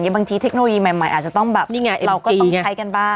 บางทีเทคโนโลยีใหม่อาจจะต้องแบบเราก็ต้องใช้กันบ้าง